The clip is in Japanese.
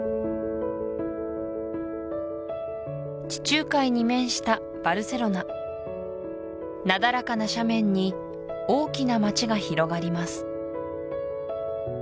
地中海に面したバルセロナなだらかな斜面に大きな街が広がります